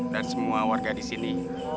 semua warga di sini